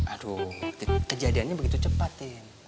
aduh kejadiannya begitu cepat ya